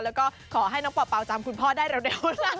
แล้วก็ขอให้น้องเป่าจำคุณพ่อได้เร็ว